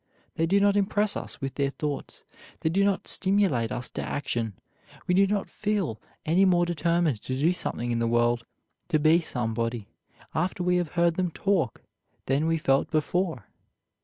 They do not impress us with their thoughts; they do not stimulate us to action. We do not feel any more determined to do something in the world, to be somebody, after we have heard them talk than we felt before.